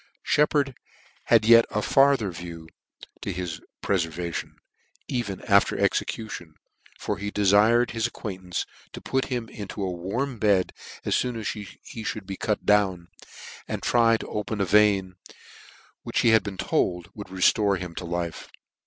Sheppard had yet a farther view to his prefer vation. even after execution ; for he defired his acquaintance to put him into a warm bed as foon as he mould be cut down , and try to open a vein, which he had been told would re(lore him to life.